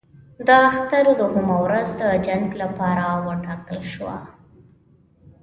د اختر دوهمه ورځ د جنګ لپاره وټاکل شوه.